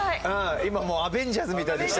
今アベンジャーズみたいでした。